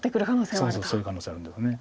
そうそうそういう可能性あるんです。